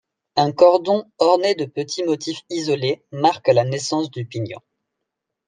Un cordon orné de petits motifs isolés marque la naissance du pignon.